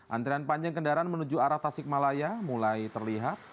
antrian panjang kendaraan menuju arah tasik malaya mulai terlihat